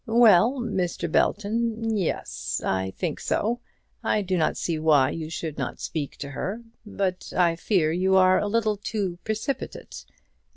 "Well, Mr. Belton; yes; I think so. I do not see why you should not speak to her. But I fear you are a little too precipitate.